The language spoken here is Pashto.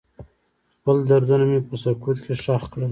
خپل دردونه مې په سکوت کې ښخ کړل.